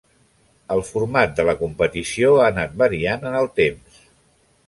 El format de la competició ha anat variant en el temps.